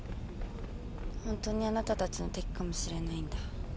ホントにあなたたちの敵かもしれないんだ。